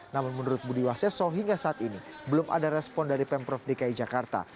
namun menurut budi waseso hingga saat ini belum ada respon dari pemprov dki jakarta